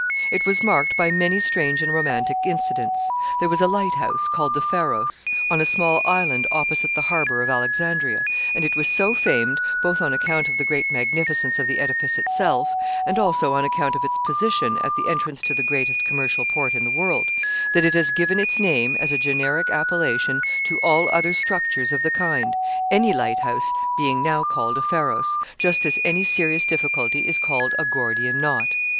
It was marked by many strange and romantic incidents. There was a light house, called the Pharos, on a small island opposite the harbor of Alexandria, and it was so famed, both on account of the great magnificence of the edifice itself, and also on account of its position at the entrance to the greatest commercial port in the world, that it has given its name, as a generic appellation, to all other structures of the kind any light house being now called a Pharos, just as any serious difficulty is called a Gordian knot.